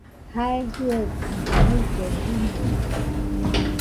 Jae jɨaɨkɨno ñaɨllena iñede.